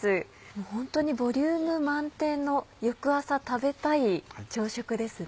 本当にボリューム満点の翌朝食べたい朝食ですね。